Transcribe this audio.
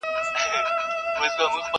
نه نجلۍ یې له فقیره سوای غوښتلای٫